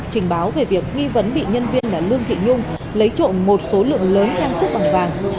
trình báo về việc nghi vấn bị nhân viên là lương thị nhung lấy trộm một số lượng lớn trang sức bằng vàng